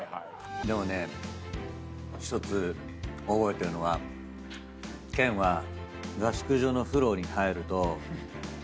でもね１つ覚えてるのは健は合宿所の風呂に入ると。